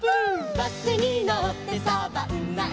「バスにのってサバンナへ」